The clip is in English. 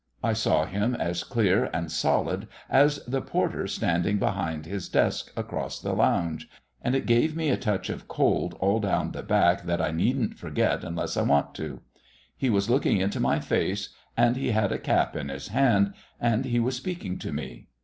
I saw him as clear and solid as the porter standing behind his desk across the lounge, and it gave me a touch of cold all down the back that I needn't forget unless I want to. He was looking into my face, and he had a cap in his hand, and he was speaking to me.